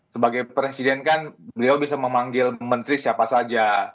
sebagai presiden kan beliau bisa memanggil menteri siapa saja